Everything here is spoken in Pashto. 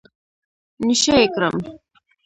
نشه يي کړم.